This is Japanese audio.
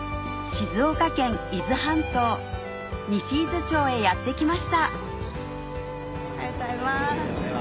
静岡県伊豆半島西伊豆町へやって来ましたおはようございます。